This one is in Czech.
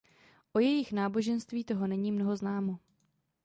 O jejich náboženství toho není mnoho známo.